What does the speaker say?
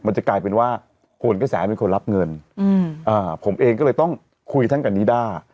จะกลายเป็นว่าโหนกระแสเป็นคนรับเงินผมเองก็เลยต้องคุยท่านกับนิด้า